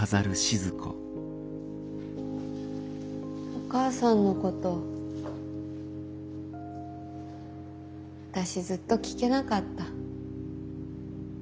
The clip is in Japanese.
お母さんのこと私ずっと聞けなかった。